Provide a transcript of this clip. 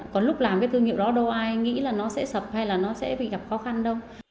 còn lúc làm cái thương hiệu đó đâu ai nghĩ là nó sẽ sập hay là nó sẽ bị gặp khó khăn đâu